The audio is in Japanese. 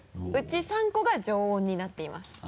内３個が常温になっています。